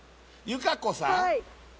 友佳子さん